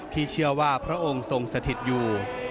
ที่เชื่อว่าพระองค์ทรงสถิตอยู่